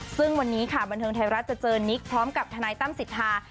ซึ่งวันนี้ค่ะบันเทิงไทยรัฐจะเจอนิกพร้อมกับทนายตั้มสิทธา